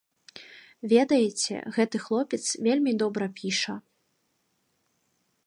Ведаеце, гэты хлопец вельмі добра піша.